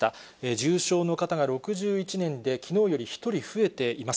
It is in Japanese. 重症の方が６１人で、きのうより１人増えています。